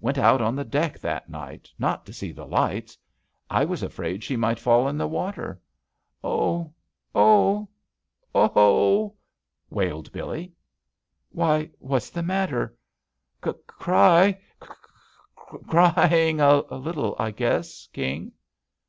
Went out on the deck that night, not to see the lights — I was afraid she might fall in the water." ''Oh!— Oh I— Oh I" wailed Billee. "Why, what's the matter?" "Cry — cry — crying — a little, I guess. King."